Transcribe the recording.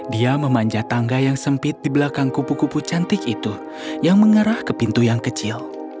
dia memanjat tangga yang sempit di belakang kupu kupu cantik itu yang mengarah ke pintu yang kecil